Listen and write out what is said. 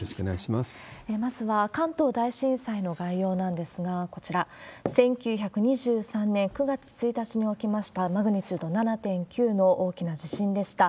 まずは、関東大震災の概要なんですが、こちら、１９２３年９月１日に起きました、マグニチュード７．９の大きな地震でした。